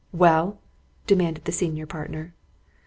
"Well?" demanded the senior partner.